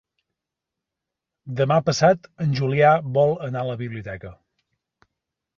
Demà passat en Julià vol anar a la biblioteca.